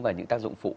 và những tác dụng phụ